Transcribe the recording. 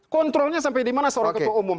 kontrolnya sampai dimana seorang ketua umum